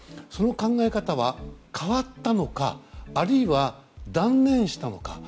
その考え方は変わったのかあるいは、断念したのか。